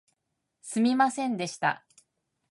すみませんでした